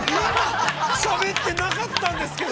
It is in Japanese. ◆しゃべってなかったんですけど。